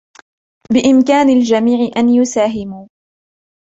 بإمكان الجميع أن يساهموا.